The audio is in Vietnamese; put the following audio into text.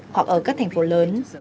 hoặc ở các thành phố lớn